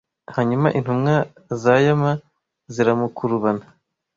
Hanyuma intumwa za Yama ziramukurubana